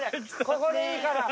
ここでいいから。